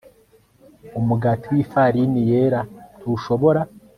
Umugati wifarini yera ntushobora